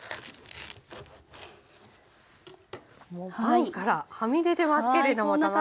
もうパンからはみ出てますけれども卵が。